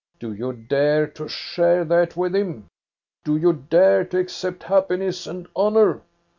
Do you dare to share that with him ? Do you dare to accept happiness and honor?